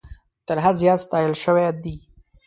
تر حد زیات ستایل سوي دي.